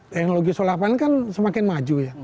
teknologi solar pan kan semakin maju ya